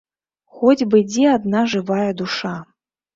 Хоць бы дзе адна жывая душа!